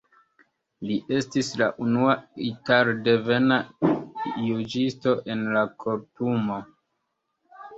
Li estis la unua italdevena juĝisto en la Kortumo.